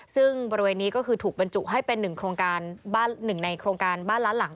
ซึ่งบริเวณนี้ก็คือถูกบรรจุให้เป็นหนึ่งในโครงการบ้านล้านหลัง